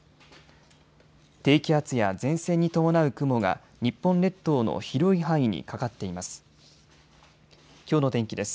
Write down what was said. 低気圧や前線に伴う雲が日本列島の広い範囲にかかっています。